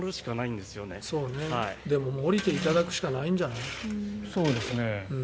でももう下りていただくしかないんじゃない？